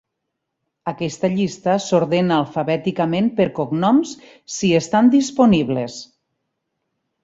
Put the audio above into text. Aquesta llista s'ordena alfabèticament per cognoms si estan disponibles.